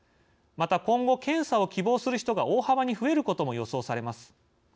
また今後検査を希望する人が大幅に増えることも予想されます。